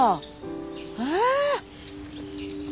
え？